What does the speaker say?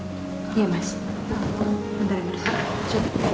bentar ya berusaha